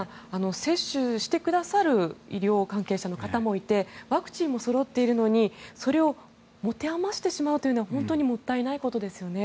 接種してくださる医療関係者の方もいてワクチンもそろっているのにそれを持て余してしまうというのは本当にもったいないことですよね。